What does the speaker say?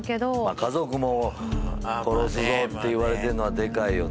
「家族も殺すぞ」って言われてんのはでかいよね。